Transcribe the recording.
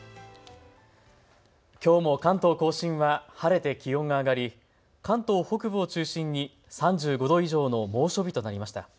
きょうも関東甲信は晴れて気温が上がり、関東北部を中心に３５度以上の猛暑日となりました。